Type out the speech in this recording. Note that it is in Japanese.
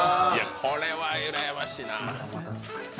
これはうらやましいなあ。